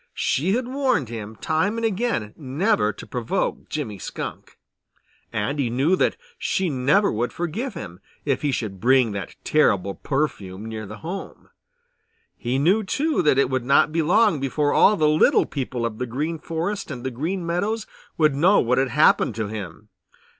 She had warned him time and again never to provoke Jimmy Skunk, and he knew that she never would forgive him if he should bring that terrible perfume near their home. He knew, too, that it would not be long before all the little people of the Green Forest and the Green Meadows would know what had happened to him.